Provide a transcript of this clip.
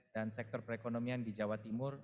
dan sektor perekonomian di jawa timur